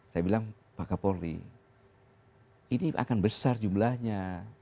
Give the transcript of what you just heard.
saya bilang pak kapolri ini akan besar jumlahnya